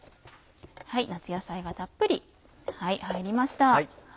夏野菜がたっぷり入りました。